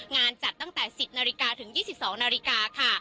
งานจัดตั้งแต่๑๐นาฬิกาถึง๒๒นาฬิกาค่ะ